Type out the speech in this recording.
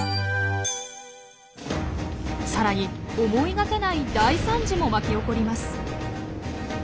さらに思いがけない大惨事も巻き起こります。